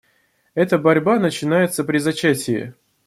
Эта борьба начинается при зачатии.